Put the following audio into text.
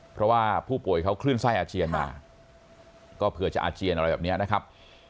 เพราะว่าผู้ป่วยเขาคลื่นไส้อาเจียนมาก็เผื่อจะอาเจียนอะไรแบบนี้นะครับ